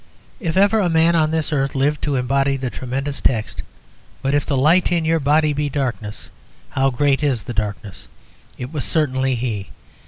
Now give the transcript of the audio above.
If ever a man on this earth lived to embody the tremendous text, "But if the light in your body be darkness, how great is the darkness," it was certainly he.